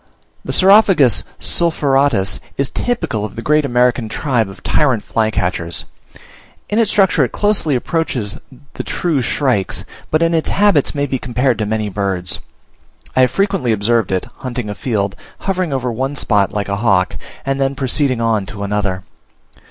The Saurophagus sulphuratus is typical of the great American tribe of tyrant flycatchers. In its structure it closely approaches the true shrikes, but in its habits may be compared to many birds. I have frequently observed it, hunting a field, hovering over one spot like a hawk, and then proceeding on to another.